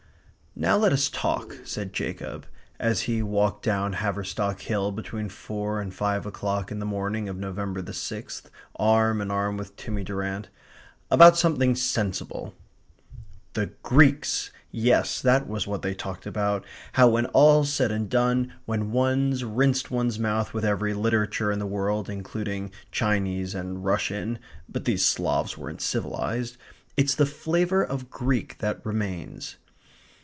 "Now let us talk," said Jacob, as he walked down Haverstock Hill between four and five o'clock in the morning of November the sixth arm in arm with Timmy Durrant, "about something sensible." The Greeks yes, that was what they talked about how when all's said and done, when one's rinsed one's mouth with every literature in the world, including Chinese and Russian (but these Slavs aren't civilized), it's the flavour of Greek that remains.